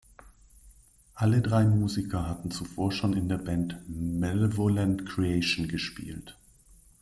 Alle drei Musiker hatten zuvor schon in der Band „Malevolent Creation“ gespielt.